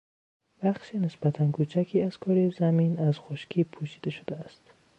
بخش نسبتا کوچکی از کرهی زمین از خشکی پوشیده شده است.